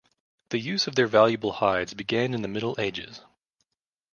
The use of their valuable hides began in the Middle Ages.